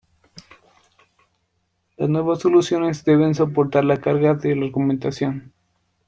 Las nuevas soluciones deben soportar la carga de la argumentación.